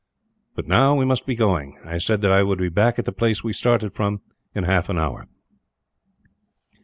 "But now we must be going. I said that I would be back at the place we started from, in half an hour."